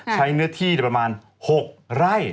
เนื้อที่ประมาณ๖ไร่